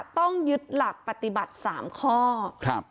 ต้องยึดหลักปฏิบัติ๓ข้อครับ